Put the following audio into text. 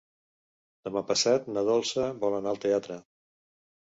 Demà passat na Dolça vol anar al teatre.